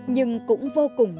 nhưng cũng vô cùng